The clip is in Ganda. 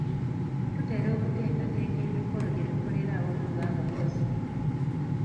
Tutera okuteekateeka emikolo gye tukolera awamu ng’abakozi.